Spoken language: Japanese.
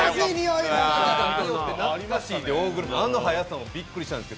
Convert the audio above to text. あの速さもびっくりしたんです。